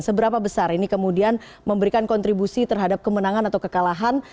seberapa besar ini kemudian memberikan kontribusi terhadap kemenangan atau kekalahan